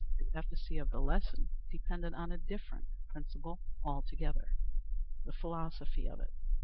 The efficacy of the lesson depended on a different principle altogether. The Philosophy of it.